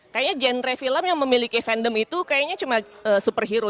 kayaknya genre film yang memiliki fandom itu kayaknya cuma superhero